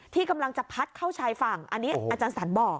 ที่กำลังจะพัดเข้าชายฝั่งอันนี้อาจารย์สันบอก